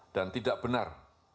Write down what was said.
dan tidak benar